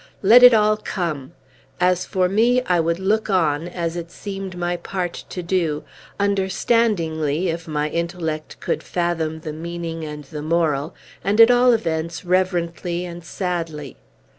Let it all come! As for me, I would look on, as it seemed my part to do, understandingly, if my intellect could fathom the meaning and the moral, and, at all events, reverently and sadly.